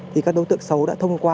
thì các đối tượng xấu đã thông qua